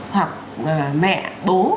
hoặc mẹ bố